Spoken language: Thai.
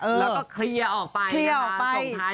แล้วก็เคลียร์ออกไปส่วนท้ายปลายปีไปเลย